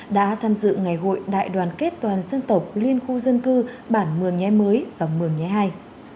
đã tham dự ngày hội đại đoàn kết toàn dân tộc liên khu dân cư bản mường nhé mới và mường nhé hai